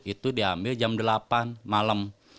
itu diambil jam delapan malam